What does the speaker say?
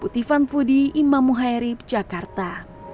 putih fun foodie imam muhairib jakarta